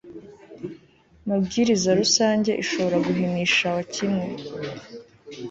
mabwiriza rusange ishobora guhinishawa kimwe